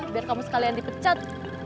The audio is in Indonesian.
biar kamu sekalian dipecat